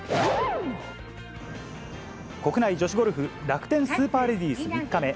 国内女子ゴルフ、楽天スーパーレディース３日目。